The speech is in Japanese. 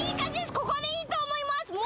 ここでいいと思います